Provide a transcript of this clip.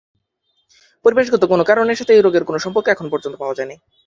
পরিবেশগত কোনো কারণের সাথে এই রোগের কোনো সম্পর্ক এখন পর্যন্ত পাওয়া যায়নি।